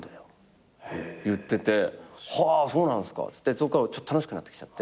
そっから俺ちょっと楽しくなってきちゃって。